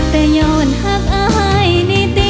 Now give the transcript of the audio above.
แต่ย้อนหักอายนิติ